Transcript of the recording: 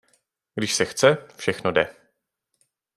Když se chce, všechno jde.